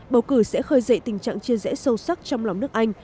bầu cử sẽ khơi dậy tình trạng chia rẽ sâu sắc trong lòng nước anh